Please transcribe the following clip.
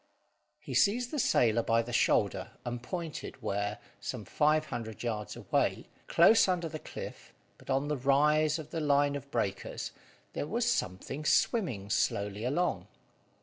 He seized the sailor by the shoulder, and pointed where, some five hundred yards away, close under the cliff, but on the rise of the line of breakers, there was something swimming slowly along.